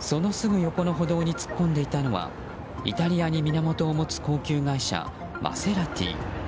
そのすぐ横の歩道に突っ込んでいたのはイタリアに源を持つ高級外車マセラティ。